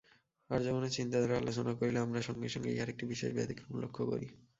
আর্যগণের চিন্তাধারা আলোচনা করিলে আমরা সঙ্গে সঙ্গে ইহার একটি বিশেষ ব্যতিক্রম লক্ষ্য করি।